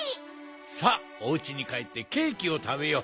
さあおうちにかえってケーキをたべよう。